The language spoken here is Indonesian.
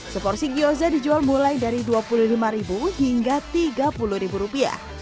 seporsi gyoza dijual mulai dari rp dua puluh lima hingga rp tiga puluh